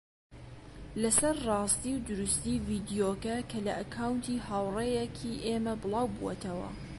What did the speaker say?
لەسەر ڕاستی و دروستی ڤیدیۆکە کە لە ئەکاونتی هاوڕێیەکی ئێمە بڵاوبووەتەوە